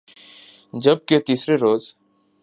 جب کہ تیسرے روز